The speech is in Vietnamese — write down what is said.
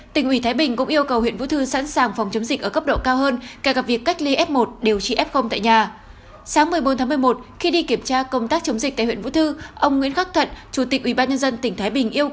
tỉnh ủy thái bình cũng yêu cầu huyện vũ thư sẵn sàng phòng chống dịch ở cấp độ cao hơn kể cả việc cách ly f một điều trị f tại nhà